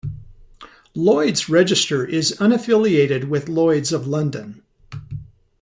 Lloyd's Register is unaffiliated with Lloyd's of London.